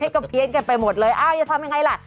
ก็เพี้ยงกันไปหมดเลยอย่าทำอย่างไรล่ะ